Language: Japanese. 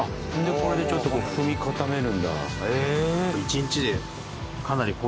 これでちょっと踏み固めるんだ。